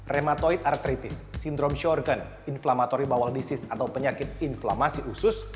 rheumatoid arthritis sindrom sjorgan inflamatory bowel disease atau penyakit inflamasi usus